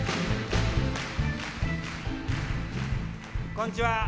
「こんちは」。